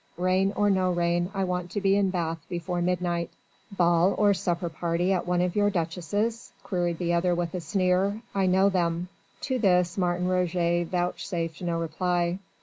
Rain or no rain, I want to be in Bath before midnight." "Ball or supper party at one of your duchesses?" queried the other with a sneer. "I know them." To this Martin Roget vouchsafed no reply.